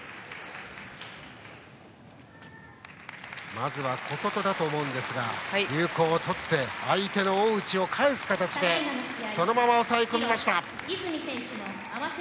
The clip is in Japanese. まずは小外だと思うんですが有効を取って相手の大内を返す形でそのまま押さえ込みました。